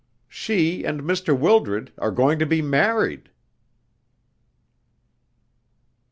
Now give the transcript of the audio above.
She and Mr. Wildred are going to be married."